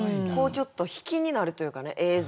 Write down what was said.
ちょっと引きになるというかね映像が。